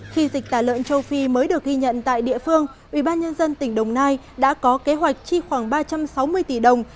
khi dịch tả lợn châu phi mới được ghi nhận tại địa phương ủy ban nhân dân tỉnh đồng nai đã có kế hoạch chi khoảng ba trăm sáu mươi tỷ đồng